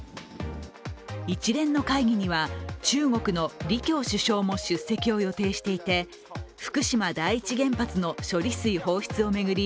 一連の会議には中国の李強首相も出席を予定していて、福島第一原発の処理水放出を巡り